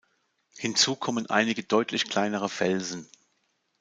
Hinzu kommen einige deutlich kleinere Felsen.